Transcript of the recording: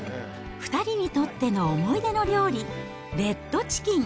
２人にとっての思い出の料理、レッドチキン。